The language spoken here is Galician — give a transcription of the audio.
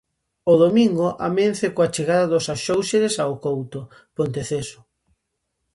O domingo amence coa chegada dos Axóuxeres ao Couto, Ponteceso.